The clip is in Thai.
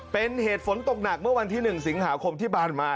เป็นเหตุฝนตกหนักเมื่อวันที่๑สิงหาคมที่ผ่านมา